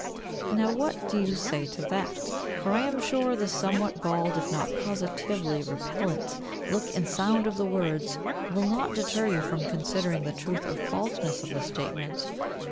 Now what do you say to that? For I am sure the somewhat bald, if not positively repellent, look and sound of the words, will not deter you from considering the truth or falseness of the statement.